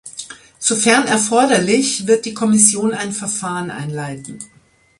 Sofern erforderlich, wird die Kommission ein Verfahren einleiten.